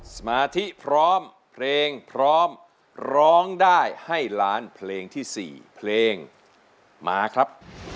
สมาธิพร้อมเพลงพร้อมร้องได้ให้ล้านเพลงที่๔เพลงมาครับ